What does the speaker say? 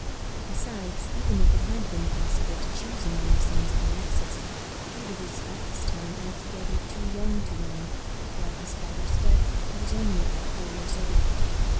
Besides, even if it had been possible to choose among the sons of Alexis, Peter was at this time altogether too young to reign, for at his father's death he was only about four years old.